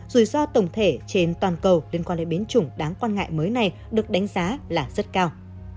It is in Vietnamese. rủi ro tổng thể trên toàn cầu liên quan đến biến chủng đáng quan ngại mới này được đánh giá là rất cao